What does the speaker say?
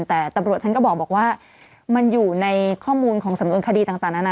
แต่ตำรวจท่านก็บอกว่ามันอยู่ในข้อมูลของสำนวนคดีต่างนานา